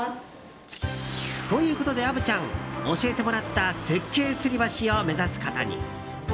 ということで虻ちゃん教えてもらった絶景つり橋を目指すことに。